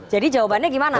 jadi jawabannya gimana